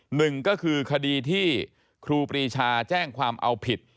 หนึ่งก็คือคดีที่ครูปรีชาแจ้งความเอาผิด